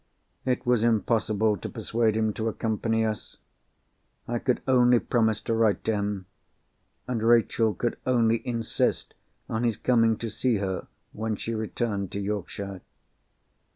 It was impossible to persuade him to accompany us. I could only promise to write to him—and Rachel could only insist on his coming to see her when she returned to Yorkshire.